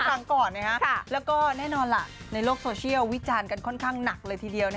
ฟังก่อนแล้วก็แน่นอนล่ะในโลกโซเชียลวิจารณ์กันค่อนข้างหนักเลยทีเดียว